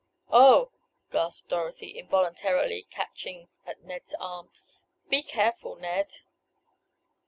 "Oh!" gasped Dorothy, involuntarily catching at Ned's arm. "Be careful, Ned!"